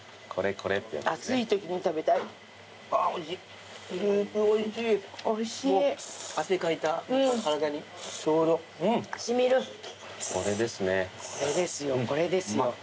これですよこれですよ。